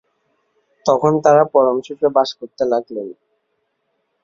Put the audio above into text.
তখন তাঁরা পরমসুখে বাস করতে লাগলেন।